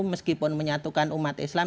meskipun menyatukan umat islam